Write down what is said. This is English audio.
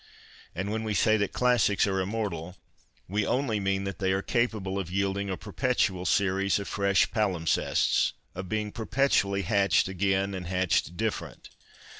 And when we say that classics are immortal, we only mean that they are capable of yielding a perpetual series of fresh palimpsests, of being perpetually " hatched again and hatched different.''